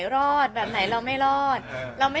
ขอบคุณครับ